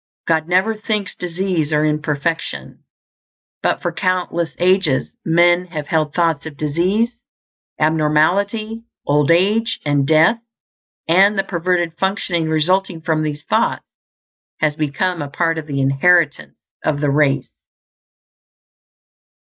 God never thinks disease or imperfection. But for countless ages men have held thoughts of disease, abnormality, old age, and death; and the perverted functioning resulting from these thoughts has become a part of the inheritance of the race.